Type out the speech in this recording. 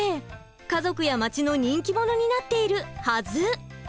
家族や町の人気者になっているはず。